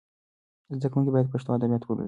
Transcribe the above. زده کونکي باید پښتو ادبیات ولولي.